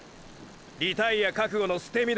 リタイア覚悟の捨て身で！！